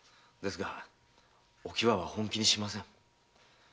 ですがお喜和は本気にしません。